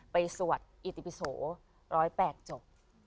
ไปสวดอีติพิโส๑๐๘จบ